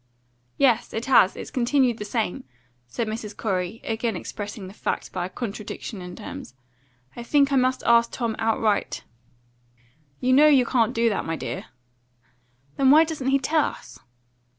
"Yes, it has; it has continued the same," said Mrs. Corey, again expressing the fact by a contradiction in terms. "I think I must ask Tom outright." "You know you can't do that, my dear." "Then why doesn't he tell us?"